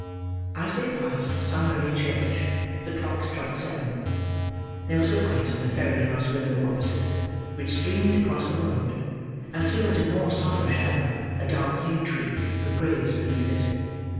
As they passed Sunbury Church, the clock struck seven. There was a light in the ferry house window opposite: which streamed across the road, and threw into more sombre shadow a dark yew tree with graves beneath it.